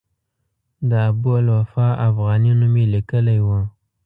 د ابوالوفاء افغاني نوم یې لیکلی و.